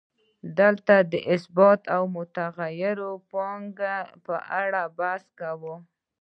دلته د ثابتې او متغیرې پانګې په اړه بحث کوو